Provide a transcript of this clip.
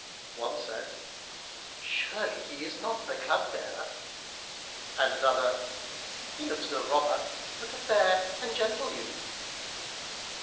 One said, "Surely he is not the Club bearer," and another, "He looks no robber, but a fair and gentle youth."